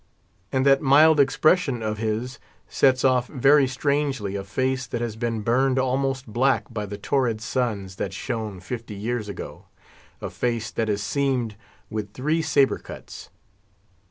And that mild expression of his sets off very strangely a face that has been burned almost black by the torrid suns that shone fifty years ago—a face that is seamed with three sabre cuts.